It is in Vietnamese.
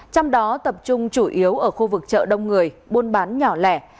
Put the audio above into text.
trong đó tập trung chủ yếu ở khu vực chợ đông người buôn bán nhỏ lẻ